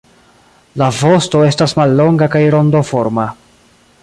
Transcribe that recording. La vosto estas mallonga kaj rondoforma.